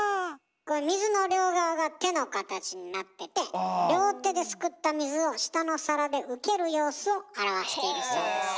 これ水の両側が手の形になってて両手ですくった水を下の皿で受ける様子を表しているそうです。